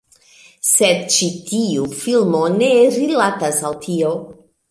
Sed ĉi tiu filmo ne rilatas al tio.